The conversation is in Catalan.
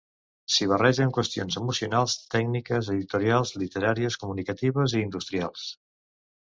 S'hi barregen qüestions emocionals, tècniques, editorials, literàries, comunicatives i industrials.